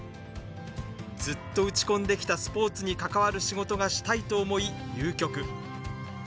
ずっと打ち込んできたスポーツに関わる仕事がしたいと思い、入局。